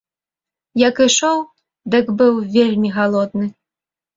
Як ішоў, дык быў вельмі галодны.